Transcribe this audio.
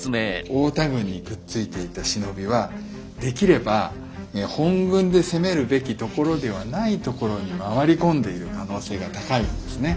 太田軍にくっついていた忍びはできれば本軍で攻めるべきところではないところに回り込んでいる可能性が高いわけですね。